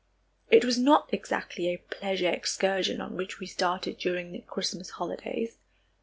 It was not exactly a pleasure excursion on which we started during the Christmas holidays.